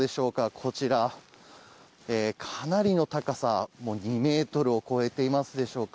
こちら、かなりの高さ２ｍを超えていますでしょうか。